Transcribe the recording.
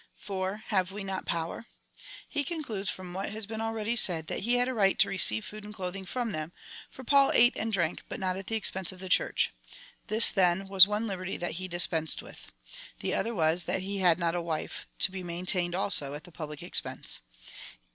4. Have we not power? He concludes from what has been already said, that he had a right to receive food and cloth ing from them,^ for Paul ate and drank, but not at the ex pense of the Church. This, then, was one liberty that he dis pensed with. The other was, that he had not a wife — to be maintained, also, at the public expense.